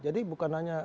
jadi bukan hanya